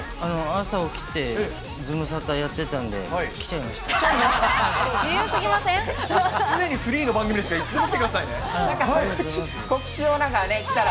朝起きて、ズムサタやってたんで、来ちゃいました。